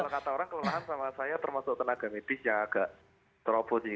kalau kata orang kelelahan sama saya termasuk tenaga medis yang agak terobo sih